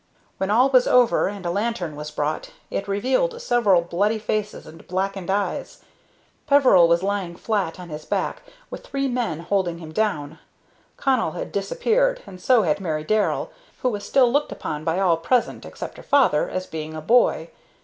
When all was over and a lantern was brought, it revealed several bloody faces and blackened eyes. Peveril was lying flat on his back, with three men holding him down. Connell had disappeared, and so had Mary Darrell, who was still looked upon by all present, except her father, as being a boy.